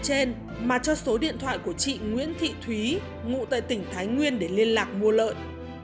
tuy nhiên mà cho số điện thoại của chị nguyễn thị thúy ngụ tại tỉnh thái nguyên để liên lạc mua lợn